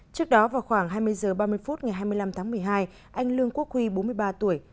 trước đó vào khoảng hai mươi h ba mươi phút ngày hai mươi năm tháng một mươi hai anh lương quốc huy bốn mươi ba tuổi